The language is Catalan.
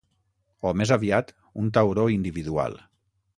O, més aviat, un tauró individual.